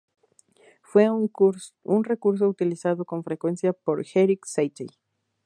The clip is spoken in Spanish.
Fue un recurso utilizado con frecuencia por Erik Satie.